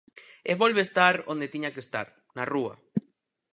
E volve estar onde tiña que estar: na rúa.